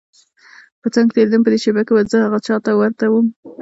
په څنګ تېرېدم په دې شېبه کې به زه هغه چا ته ورته وم.